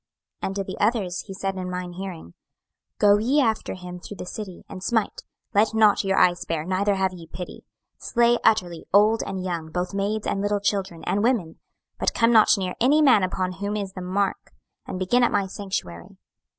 26:009:005 And to the others he said in mine hearing, Go ye after him through the city, and smite: let not your eye spare, neither have ye pity: 26:009:006 Slay utterly old and young, both maids, and little children, and women: but come not near any man upon whom is the mark; and begin at my sanctuary.